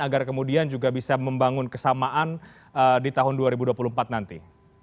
agar kemudian juga bisa membangun kesamaan di tahun dua ribu dua puluh empat nanti